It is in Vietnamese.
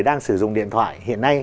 đang sử dụng điện thoại hiện nay